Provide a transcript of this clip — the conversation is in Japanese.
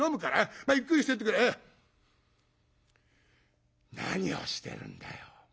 まあゆっくりしてってくれ。何をしてるんだよ。